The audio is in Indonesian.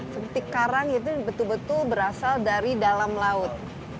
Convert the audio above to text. seperti karang itu betul betul berasal dari dalam laut